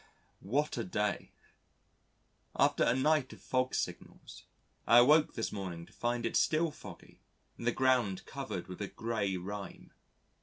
What a day! After a night of fog signals, I awoke this morning to find it still foggy and the ground covered with a grey rime.